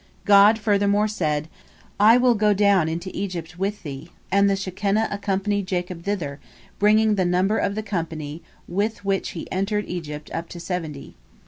God furthermore said, "I will go down into Egypt with thee," and the Shekinah accompanied Jacob thither, bringing the number of the company with which he entered Egypt up to seventy.